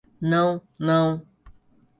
Não, não